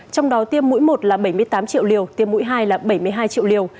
trong đó tiêm mũi một là bảy mươi tám triệu liều tiêm mũi hai là bảy mươi hai triệu liều